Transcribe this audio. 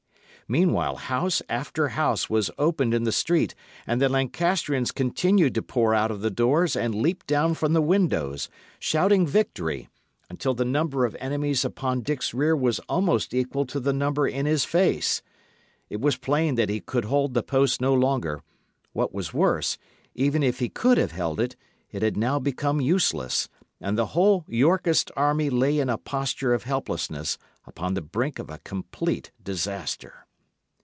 Meanwhile house after house was opened in the street, and the Lancastrians continued to pour out of the doors and leap down from the windows, shouting victory, until the number of enemies upon Dick's rear was almost equal to the number in his face. It was plain that he could hold the post no longer; what was worse, even if he could have held it, it had now become useless; and the whole Yorkist army lay in a posture of helplessness upon the brink of a complete disaster.